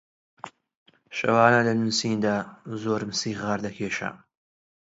شەوانە لە نووسیندا زۆرم سیغار دەکێشا